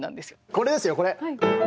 これですよこれ。